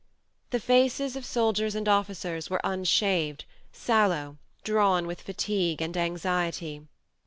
The faces of soldiers 110 THE MARNE and officers were unshaved sallow drawn with fatigue and anxiety.